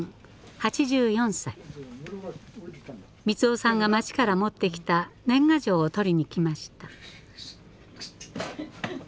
三男さんが町から持ってきた年賀状を取りに来ました。